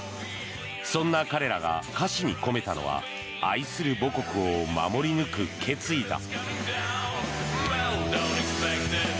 そんな彼らが歌詞に込めたのは愛する母国を守り抜く決意だ。